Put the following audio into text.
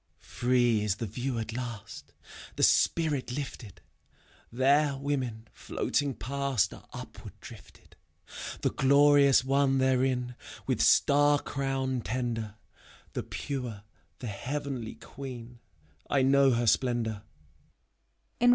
Pree is the view at last, The spirit lifted : There women, floating past, Are upward drifted: The Glorious One therein, With star crown tender, — The pure, the Heavenly Queen, I know her splendor.